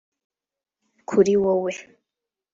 kuri wowe